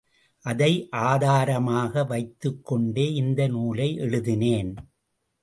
அதை ஆதாரமாக வைத்துக்கொண்டே இந்த நூலை எழுதினேன்.